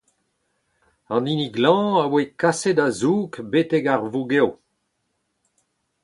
An hini glañv a voe kaset a-zoug betek ar vougev.